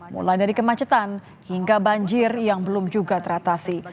mulai dari kemacetan hingga banjir yang belum juga teratasi